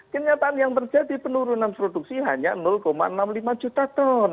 kenyataan yang terjadi penurunan produksi hanya enam puluh lima juta ton